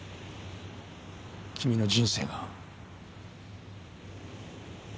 君の人生が。